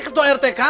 kamu cemburu sama